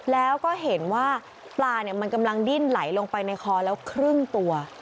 แล้วก็เห็นว่าปลามันกำลังดิ้นไหลลงไปในคอแล้วครึ่งตัว